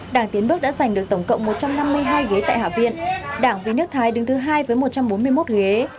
đảng tiến bước đã giành được tổng cộng một trăm năm mươi hai ghế tại hạ viện đảng viên nước thái đứng thứ hai với một trăm bốn mươi một ghế